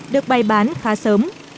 được bày bán khá sớm